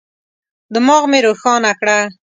دماغ مي روښانه کړه.